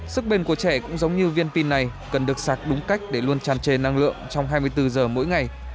sức bền của trẻ cũng giống như viên pin này cần được sạc đúng cách để luôn tràn trề năng lượng trong hai mươi bốn giờ mỗi ngày